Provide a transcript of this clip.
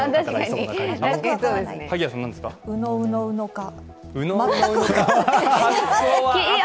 うのうのうのか？